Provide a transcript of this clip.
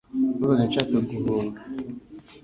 numvaga nshaka guhunga